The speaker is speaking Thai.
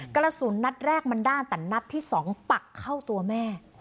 กระสุนนัดแรกมันด้านแต่นัดที่๒ปักเข้าตัวแม่